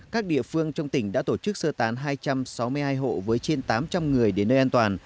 các địa phương trong tỉnh đã tổ chức sơ tán hai trăm sáu mươi hai hộ với trên tám trăm linh người đến nơi an toàn